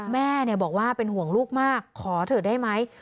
แม่บอกว่าเป็นห่วงลูกมากขอเถอะได้ไหม